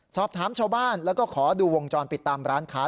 สอบถามชาวบ้านแล้วก็ขอดูวงจรปิดตามร้านค้า